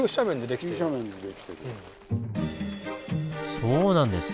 そうなんです。